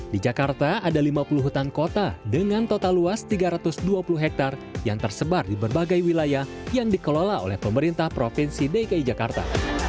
di jakarta ada lima puluh hutan kota dengan total luas tiga ratus dua puluh hektare yang tersebar di berbagai wilayah yang dikelola oleh pemerintah provinsi dki jakarta